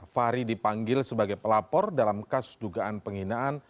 fahri dipanggil sebagai pelapor dalam kasus dugaan penghinaan